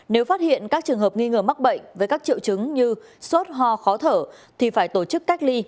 nếu phát hiện các trường hợp nghi ngờ mắc bệnh với các triệu chứng như sốt ho khó thở thì phải tổ chức cách ly